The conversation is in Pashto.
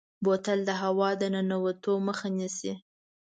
بوتل د هوا د ننوتو مخه نیسي.